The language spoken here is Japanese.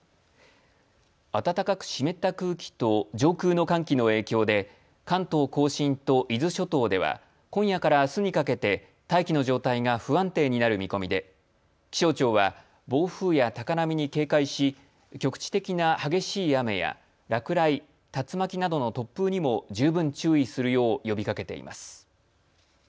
暖かく湿った空気と上空の寒気の影響で関東甲信と伊豆諸島では今夜からあすにかけて大気の状態が不安定になる見込みで気象庁は暴風や高波に警戒し局地的な激しい雨や落雷、竜巻などの突風にも十分注意するよう呼びかけています。